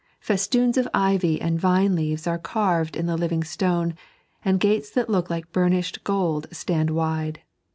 FestoonB of ivy and vine leaves are carved in the living stone, and gates that look like burnished gold stand wide.